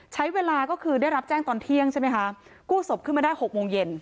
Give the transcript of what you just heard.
ใช้เวลาก็คือได้รับแจ้งตอนเที่ยงใช่ไหมคะกู้ศพขึ้นมาได้๖โมงเย็น